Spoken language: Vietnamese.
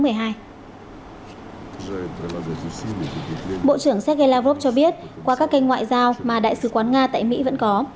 bộ trưởng sergei lavrov cho biết qua các kênh ngoại giao mà đại sứ quán nga tại mỹ vẫn có